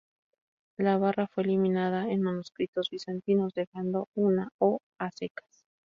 La barra fue eliminada en manuscritos bizantinos, dejando una "ο" a secas.